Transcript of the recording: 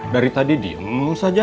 dari tadi diem